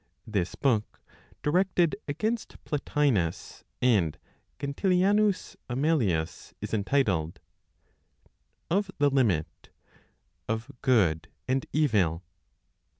This book, directed against Plotinos and Gentilianus Amelius, is entitled "Of the Limit (of Good and Evil?)"